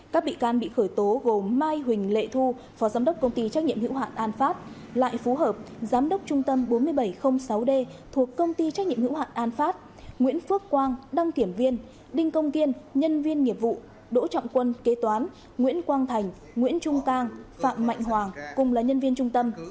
các bị can bị khởi tố gồm mai huỳnh lệ thu phó giám đốc công ty trách nhiệm hữu hạn an phát lại phú hợp giám đốc trung tâm bốn nghìn bảy trăm linh sáu d thuộc công ty trách nhiệm hữu hạn an phát nguyễn phước quang đăng kiểm viên đinh công kiên nhân viên nghiệp vụ đỗ trọng quân kế toán nguyễn quang thành nguyễn trung cang phạm mạnh hoàng cùng là nhân viên trung tâm